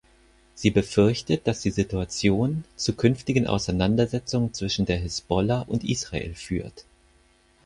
Sie befürchtet, dass die Situation zu künftigen Auseinandersetzungen zwischen der Hisbollah und Israel führt.